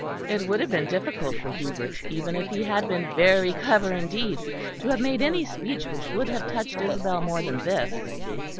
It would have been difficult for Hubert, even if he had been very clever indeed, to have made any speech which would have touched Isabel more than this.